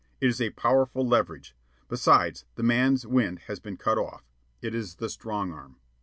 It is a powerful leverage. Besides, the man's wind has been shut off. It is the strong arm.